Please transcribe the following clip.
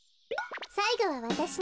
さいごはわたしね。